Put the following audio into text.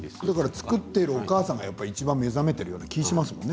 作っているお母さんがいちばん目覚めている気がしますね。